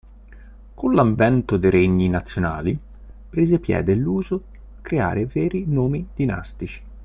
Con l'avvento dei regni nazionali, prese piede l'uso creare veri nomi dinastici.